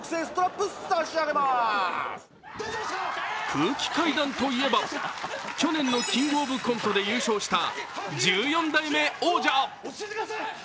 空気階段といえば、去年の「キングオブコント」で優勝した１４代目王者。